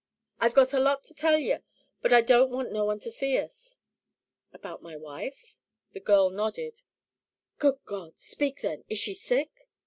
"I've got a lot to tell yer, but don't want no one to see us." "About my wife?" The girl nodded. "Good God! Speak then. Is she sick?"